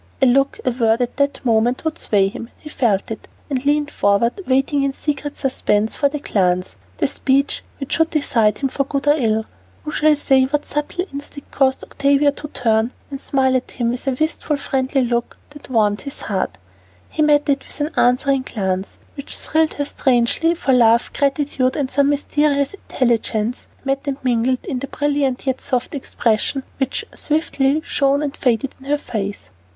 A look, a word at that moment would sway him; he felt it, and leaned forward, waiting in secret suspense for the glance, the speech which should decide him for good or ill. Who shall say what subtle instinct caused Octavia to turn and smile at him with a wistful, friendly look that warmed his heart? He met it with an answering glance, which thrilled her strangely, for love, gratitude, and some mysterious intelligence met and mingled in the brilliant yet soft expression which swiftly shone and faded in her face.